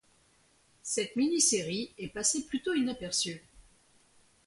Cette mini-série est passée plutôt inaperçue.